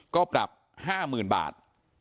ก็ปรับ๕๐๐๐บาท